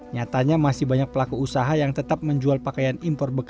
nyatanya masih banyak pelaku usaha yang tetap menjual pakaian impor bekas